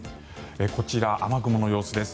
こちら、雨雲の様子です。